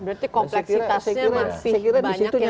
berarti kompleksitasnya masih banyak yang bisa dibahas ya